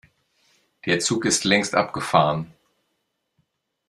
Der Zug ist längst abgefahren.